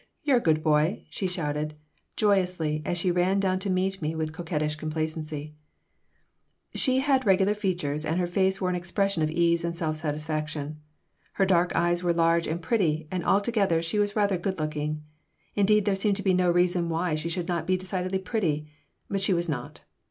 You're a good boy," she shouted, joyously, as she ran down to meet me with coquettish complacency She had regular features, and her face wore an expression of ease and self satisfaction. Her dark eyes were large and pretty, and altogether she was rather good looking. Indeed, there seemed to be no reason why she should not be decidedly pretty, but she was not.